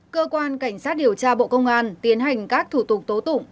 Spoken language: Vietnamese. cơ quan cảnh sát điều tra bộ công an tiến hành các thủ tục tố tụng